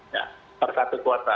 nah per satu kuota